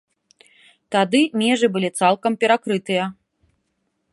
Тады межы былі цалкам перакрытыя.